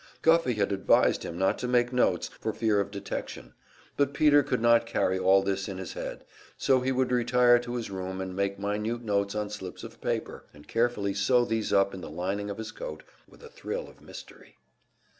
Guffey had advised him not to make notes, for fear of detection, but Peter could not carry all this in his head, so he would retire to his room and make minute notes on slips of paper, and carefully sew these up in the lining of his coat, with a thrill of mystery.